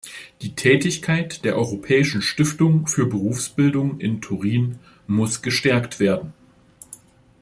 Die Tätigkeit der Europäischen Stiftung für Berufsbildung in Turin muss gestärkt werden.